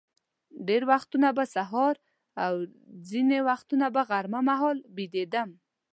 ډېر وختونه به سهار او ځینې وختونه به غرمه مهال بېدېدم.